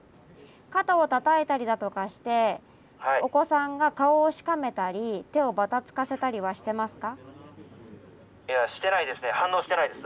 肩をたたいたりだとかしてお子さんが顔をしかめたり手をばたつかせたりはしてますか？